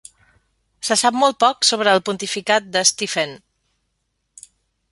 Se sap molt poc sobre el pontificat de Stephen.